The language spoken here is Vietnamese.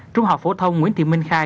trung học phổ thông nguyễn thị minh khai